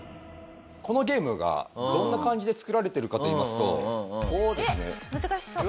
このゲームがどんな感じで作られてるかといいますと。